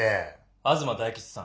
東大吉さん。